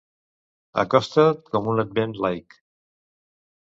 Acosta't com un Advent laic.